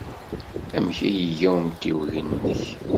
Amek ay iga umtiweg-nnek?